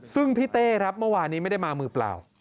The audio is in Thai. ซึ่งพี่เต้ครับเมื่อวานนี้ไม่ได้มามือเปล่า